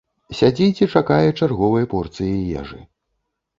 Сядзіць і чакае чарговай порцыі ежы.